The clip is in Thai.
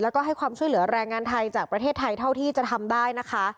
แล้วก็ให้ความช่วยเหลือแรงงานไทยจากประเทศไทยเท่าที่จะทำได้นะคะ